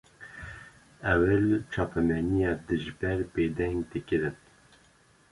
Ewil çapemeniya dijber bêdeng dikirin